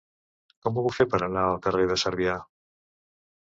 Com ho puc fer per anar al carrer de Sèrbia?